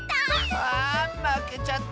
あぁまけちゃった。